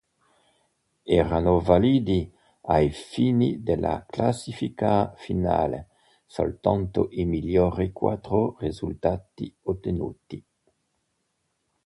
Erano validi ai fini della classifica finale soltanto i migliori quattro risultati ottenuti.